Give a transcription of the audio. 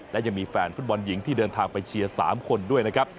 และยังมีแฟนฟุตบอลหญิงที่เดินทางไปเชียร์๓คนด้วยนะครับ